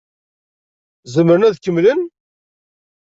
Zemren ad kemmlen?